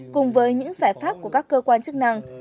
cùng với những giải pháp của các cơ quan chức năng